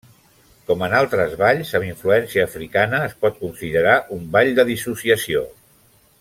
Com en altres balls amb influència africana, es pot considerar un ball de dissociació.